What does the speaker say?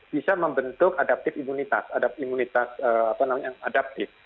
bisa membentuk adaptif imunitas